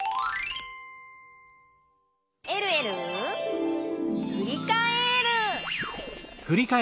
「えるえるふりかえる」